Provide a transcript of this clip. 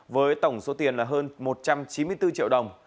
với tổng số tiền là hơn một trăm chín mươi bốn triệu đồng